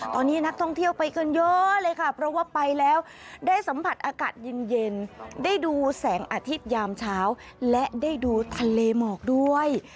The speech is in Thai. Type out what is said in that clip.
ตอนนี้นักท่องเที่ยวไปกันเยอะเลยค่ะเพราะว่าไปแล้วได้สัมผัสอากาศเย็นได้ดูแสงอาทิตยามเช้าและได้ดูทะเลหมอกด้วย